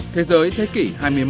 thế giới thế kỷ hai mươi một